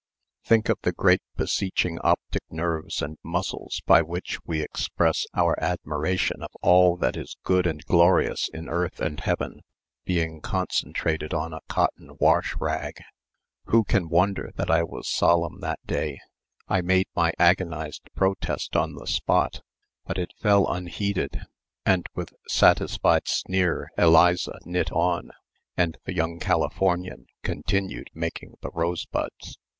Think of the great beseeching optic nerves and muscles by which we express our admiration of all that is good and glorious in earth and heaven, being concentrated on a cotton wash rag! Who can wonder that I was 'solemn' that day! I made my agonized protest on the spot, but it fell unheeded, and with satisfied sneer Eliza knit on, and the young Californian continued making the rosebuds.